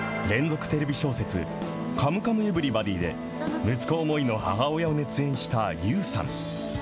連続テレビ小説カムカムエヴリバディで息子思いの母親を熱演したＹＯＵさん。